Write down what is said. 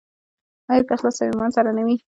آیا په اخلاص او ایمان سره نه وي؟